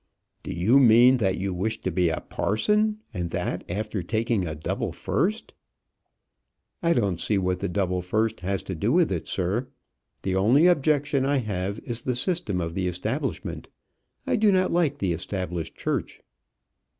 "Do you mean that you wish to be a parson, and that after taking a double first?" "I don't see what the double first has to do with it, sir. The only objection I have is the system of the establishment. I do not like the established church."